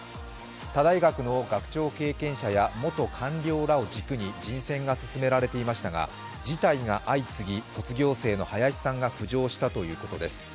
他大学の学長経験者や元学長らを軸に人選が進められていましたが辞退が相次ぎ卒業生の林さんが浮上したということです。